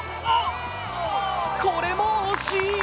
これも惜しい。